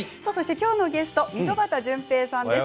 きょうのゲストは溝端淳平さんです。